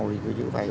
thế chứ vậy